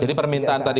jadi permintaan tadi